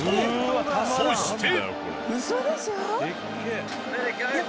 ［そして］